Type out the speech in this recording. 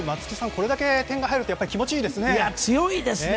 これだけ点が入るといや、強いですね。